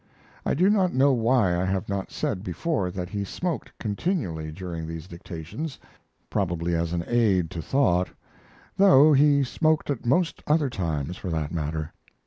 I do not know why I have not said before that he smoked continually during these dictations probably as an aid to thought though he smoked at most other times, for that matter.